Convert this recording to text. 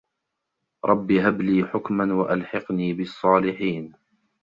رَبِّ هَب لي حُكمًا وَأَلحِقني بِالصّالِحينَ